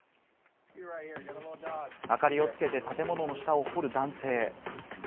明かりをつけて建物の下を掘る男性。